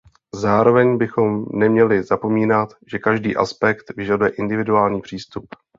Zároveň bychom neměli zapomínat, že každý aspekt vyžaduje individuální přístup.